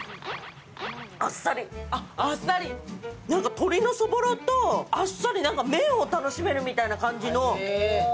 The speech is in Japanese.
鶏のそぼろと、あっさり麺を楽しめるみたいな感じの。